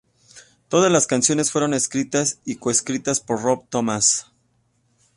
Todas las canciones fueron escritas y co-escritas por Rob Thomas.